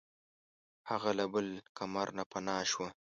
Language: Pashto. هغه له بل کمر نه پناه شوه.